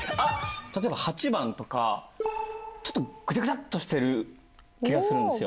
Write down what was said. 例えば８番とかちょっとグチャグチャっとしてる気がするんですよ。